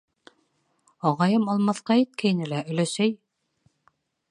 Ағайым алмаҫҡа иткәйне лә, өләсәй: